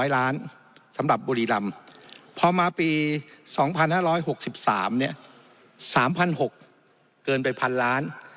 สำหรับบุรีรำพอมาปี๒๕๖๓๓๖๐๐เกินไป๑๐๐ล้าน